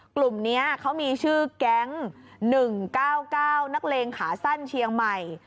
กลุ่มนี้เขามีชื่อแก๊ง๑๙๙นักเลงขาสั้นเชียงใหม่